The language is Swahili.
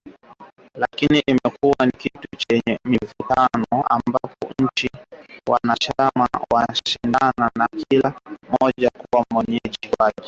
Lakini imekuwa ni kitu chenye mvutano, ambapo nchi wanachama wanashindana kila mmoja kuwa mwenyeji wake.